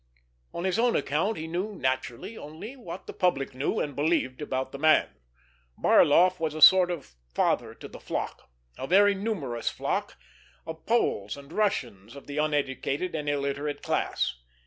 On his own account he knew, naturally, only what the public knew and believed about the man: Barloff was a sort of father to the flock, a very numerous flock, of Poles and Russians of the uneducated and illiterate class.